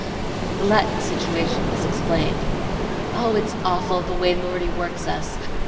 The Latin situation was explained. "Oh, it's awful the way Lordie works us!